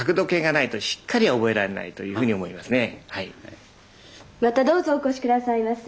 やはりまたどうぞお越し下さいませ。